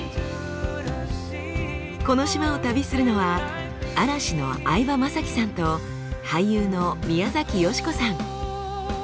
この島を旅するのは嵐の相葉雅紀さんと俳優の宮崎美子さん。